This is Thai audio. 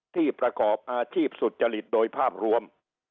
ประกอบอาชีพสุจริตโดยภาพรวม